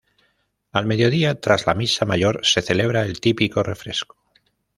Al mediodía, tras la misa mayor se celebra el típico "refresco".